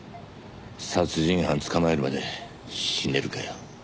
殺人犯捕まえるまで死ねるかよ。